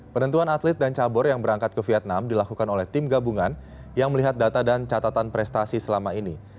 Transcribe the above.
penentuan atlet dan cabur yang berangkat ke vietnam dilakukan oleh tim gabungan yang melihat data dan catatan prestasi selama ini